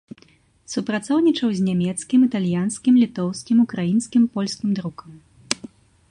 Супрацоўнічаў з нямецкім, італьянскім, літоўскім, украінскім, польскім друкам.